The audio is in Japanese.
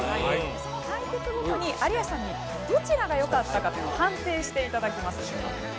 その対決ごとに、有吉さんにどちらがよかったかという判定していただきます。